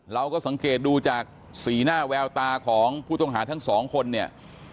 เราก็สังเกตดูจากสีหน้าแววตาของผู้ต้องหาทั้งสองคนเนี่ย